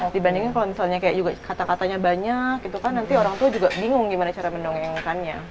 dibandingin kalau misalnya kata katanya banyak nanti orang tua juga bingung gimana cara mendongengkannya